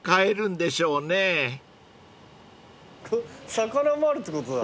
魚もあるってことだ。